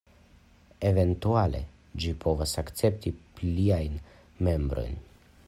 Eventuale ĝi povas akcepti pliajn membrojn.